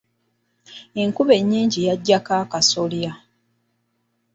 Enkuba ennyingi yagyako akasolya.